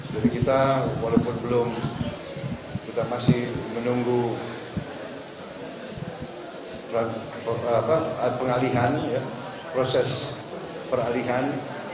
jadi kita walaupun belum kita masih menunggu proses peralihan